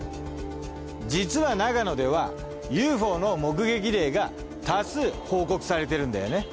実は長野ではＵＦＯの目撃例が多数報告されてるんだよね。